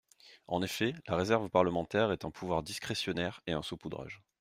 En effet, la réserve parlementaire est un pouvoir discrétionnaire et un saupoudrage.